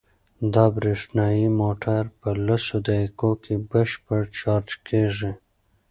دا برېښنايي موټر په لسو دقیقو کې بشپړ چارج کیږي.